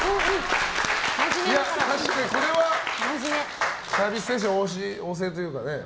確かにサービス精神旺盛というかね。